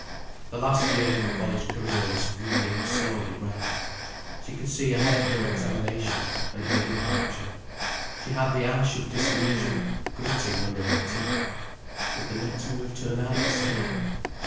The last year of her college career was wheeling slowly round. She could see ahead her examination and her departure. She had the ash of disillusion gritting under her teeth. Would the next move turn out the same?